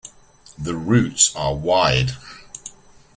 The roots are wide.